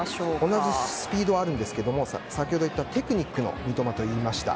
同じくスピードはあるんですが先ほど言ったテクニックの三笘と言いました。